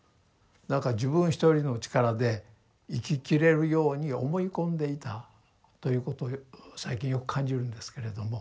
なんか自分一人の力で生ききれるように思い込んでいたということを最近よく感じるんですけれども。